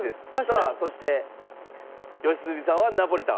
さあそして良純さんはナポリタン？